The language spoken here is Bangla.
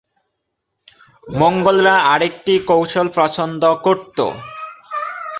মঙ্গোলরা আরেকটি কৌশল পছন্দ করত।